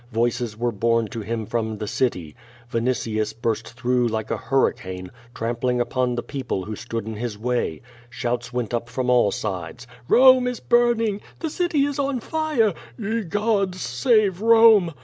Voices were borne to him from the city. Vinitius burst through like a hurricane, trampling upon the people who stood in his way. Shouts went up from all sides: "Rome is burning! The city is on fire! Ye gods! save Rome!'